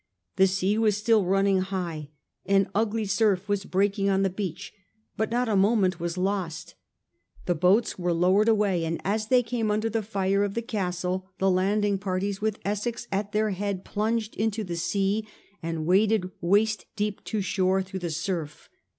The sea was still running high, an ugly surf was breaking on the beach, but not a moment was lost The boats were lowered away, and as they came under the fire of the castle the landing parties with Essex at their head plunged into the sea and waded waist deep to shore through the surf.